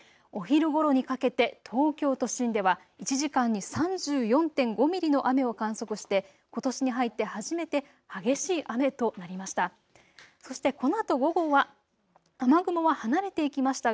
お昼ごろにかけて東京都心では１時間に３４．５ミリの雨を観測して、ことしに入って初めて激しい雨となりました。